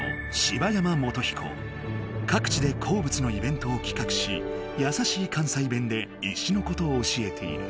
各地で鉱物のイベントを企画しやさしい関西弁で石のことを教えている。